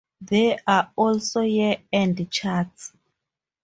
There are also Year End charts.